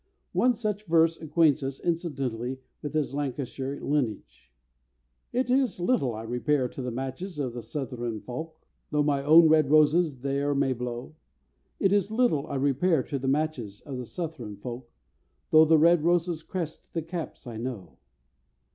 One such verse acquaints us incidentally with his Lancashire lineage: It is little I repair to the matches of the Southron folk, Though my own red roses there may blow; It is little I repair to the matches of the Southron folk, Though the red roses crest the caps, I know.